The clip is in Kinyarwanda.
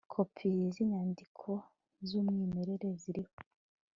Kopi z inyandiko z umwimerere ziriho